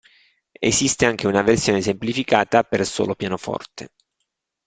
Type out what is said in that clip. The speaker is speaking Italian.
Esiste anche una versione semplificata per solo pianoforte.